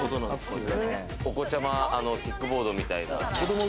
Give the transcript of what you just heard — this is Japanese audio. お子ちゃまキックボードみたいな。